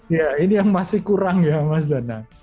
ya ini yang masih kurang ya mas dana